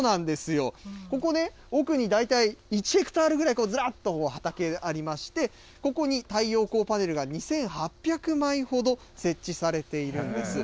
ここね、奥に大体、１ヘクタールぐらい、ずらっと畑ありまして、ここに太陽光パネルが２８００枚ほど設置されているんです。